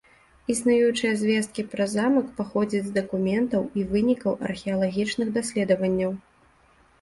Існуючыя звесткі пра замак паходзяць з дакументаў і вынікаў археалагічных даследаванняў.